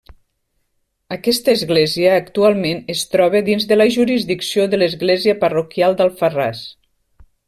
Aquesta església actualment es troba dins de la jurisdicció de l'Església parroquial d'Alfarràs.